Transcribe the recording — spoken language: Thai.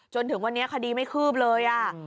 จนถึงวันนี้คดีไม่คืบเลย